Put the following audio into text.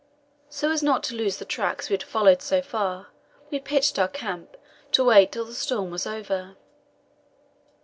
So as not to lose the tracks we had followed so far, we pitched our camp, to wait till the storm was over.